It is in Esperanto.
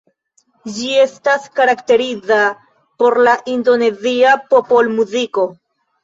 Ĝi estas karakteriza por la indonezia popolmuziko.